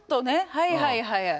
はいはいはいはい。